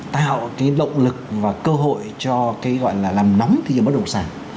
tạo động lực và cơ hội cho làm nóng thị trường bất động sản